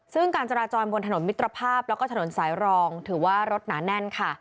ซึ่งการจราจรบนถนนมิตรภาพแล้วก็ถนนสายรองถือว่ารถหนาแน่นค่ะ